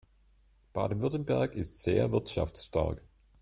Baden-Württemberg ist sehr wirtschaftsstark.